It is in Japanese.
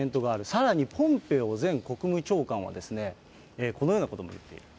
さらにポンペオ前国務長官は、このようなことも言っている。